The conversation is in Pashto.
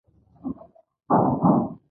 ملګری د خوښیو راز دی.